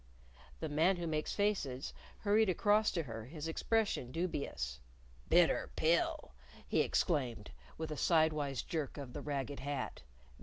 The Man Who Makes Faces hurried across to her, his expression dubious. "Bitter pill!" he exclaimed, with a sidewise jerk of the ragged hat.